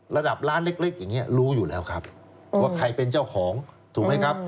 ระดับร้านเล็กอย่างนี้รู้อยู่แล้วครับว่าใครเป็นเจ้าของถูกไหมครับ